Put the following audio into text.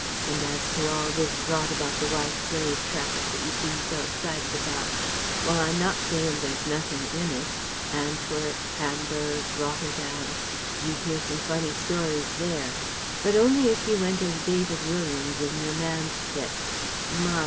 And as to all this rot about the White Slave Traffic that you seem so excited about ... well I'm not saying there's nothin' in it.... Antwerp, Hamburg, Rotterdam you'd hear some funny stories there ... but only if you went as David Williams in your man's kit My!